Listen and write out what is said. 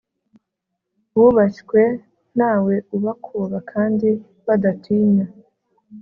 bubashywe, ntawe ubakoba kandi badatinya